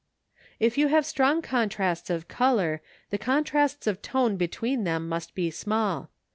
If you have strong contrasts of colour, the contrasts of tone between them must be small.